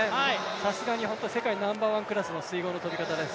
さすが、本当に世界ナンバーワンクラスの水濠の飛び方です。